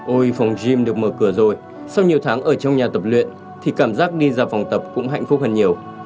ôi phòng gym được mở cửa rồi sau nhiều tháng ở trong nhà tập luyện thì cảm giác đi ra phòng tập cũng hạnh phúc hơn nhiều